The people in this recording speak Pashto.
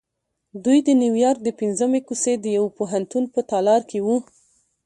دوی د نیویارک د پنځمې کوڅې د یوه پوهنتون په تالار کې وو